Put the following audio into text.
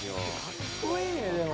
かっこいいねでも。